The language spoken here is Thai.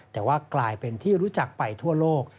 แต่ว่ากลายเป็นที่รู้จักไปทั่วโลก